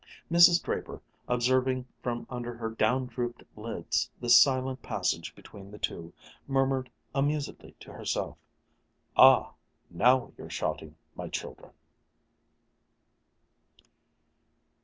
Mrs. Draper, observing from under her down drooped lids this silent passage between the two, murmured amusedly to herself, "Ah, now you're shouting, my children!"